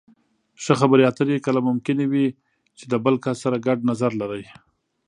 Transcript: ښه خبرې اترې کله ممکنې وي چې د بل کس سره ګډ نظر لرئ.